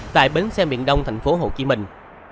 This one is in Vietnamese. tại bến xe miền đông thành phố hồ chí minh